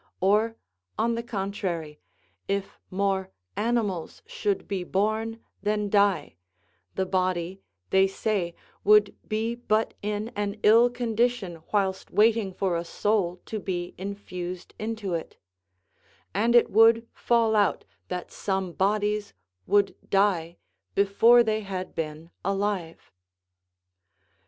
Or, on the contrary, if more animals should be born than die, the body, they say, would be but in an ill condition whilst waiting for a soul to be infused into it; and it would fall out that some bodies would die before they had been alive.